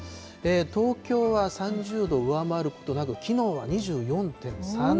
東京は３０度を上回ることなく、きのうは２４．３度。